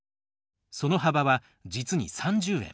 その幅は実に３０円。